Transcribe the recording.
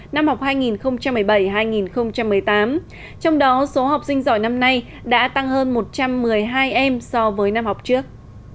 năm học hai nghìn một mươi bảy hai nghìn một mươi tám trong đó số học sinh giỏi năm nay đã tăng hơn một trăm một mươi hai em so với năm học trước